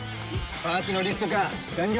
パーツのリスト化完了。